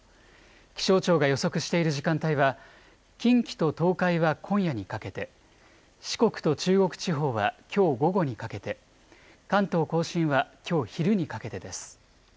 気象庁が予測している時間帯は、近畿と東海は今夜にかけて、四国と中国地方はきょう午後にかけて、関東甲信はきょう昼にかけてです。